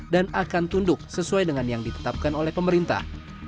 dan akan tunduk sesuai dengan yang ditetapkan oleh pemerintah